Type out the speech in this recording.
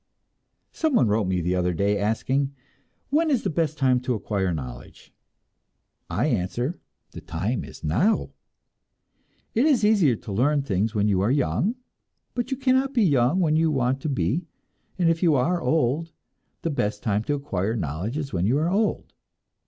Someone wrote me the other day, asking, "When is the best time to acquire knowledge?" I answer, "The time is now." It is easier to learn things when you are young, but you cannot be young when you want to be, and if you are old, the best time to acquire knowledge is when you are old.